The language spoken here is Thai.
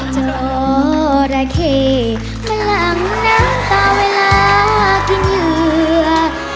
จะรอระเคมาหลังน้ำตาเวลากินเหยื่อ